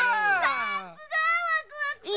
さすがワクワクさん！